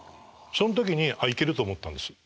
そん時に「あいける」と思ったんです。